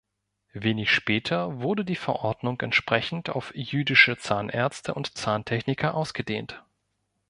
Wenig später wurde die Verordnung entsprechend auf jüdische Zahnärzte und Zahntechniker ausgedehnt.